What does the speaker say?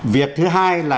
việc thứ hai là